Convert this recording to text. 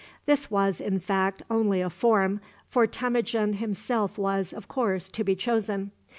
This was, in fact, only a form, for Temujin himself was, of course, to be chosen.